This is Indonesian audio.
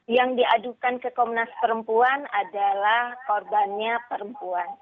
yang diadukan ke komnas perempuan adalah korbannya perempuan